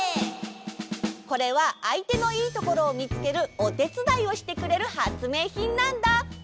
これはあいてのいいところをみつけるおてつだいをしてくれるはつめいひんなんだ。